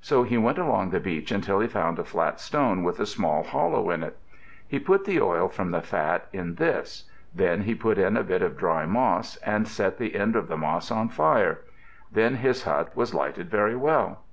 So he went along the beach until he found a flat stone with a small hollow in it. He put the oil from the fat in this; then he put in a bit of dry moss and set the end of the moss on fire. Then his hut was lighted very well.